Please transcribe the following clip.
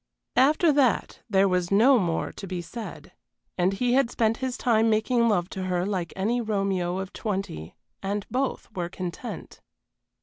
After that there was no more to be said, and he had spent his time making love to her like any Romeo of twenty, and both were content.